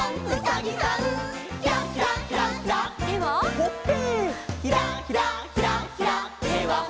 ほっぺ！